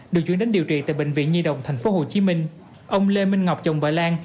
được chuyển đến điều trị tại bệnh viện nhi đồng tp hcm ông lê minh ngọc chồng bà lan